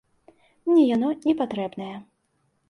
Мне яно не патрэбнае.